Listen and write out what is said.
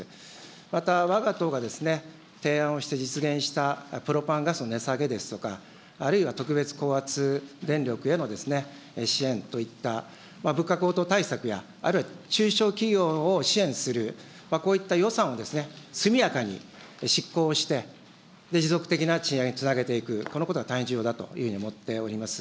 また、わが党が提案をして、実現をしたプロパンガスの値下げですとか、あるいは特別高圧電力への支援といった、物価高騰対策や、あるいは中小企業を支援する、こういった予算を速やかに執行して、持続的な賃上げにつなげていく、このことが大変重要だと思っております。